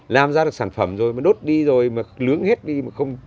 làm ra được sản phẩm rồi mà đốt đi rồi mà luướng hết đi mà không